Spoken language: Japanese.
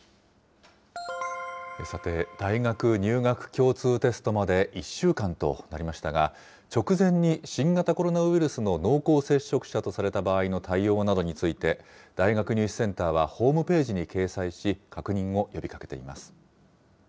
さて、大学入学共通テストまで１週間となりましたが、直前に新型コロナウイルスの濃厚接触者とされた場合の対応などについて、大学入試センターはホームページに掲載し、確認を呼びかけています。